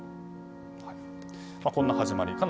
こんな始まり。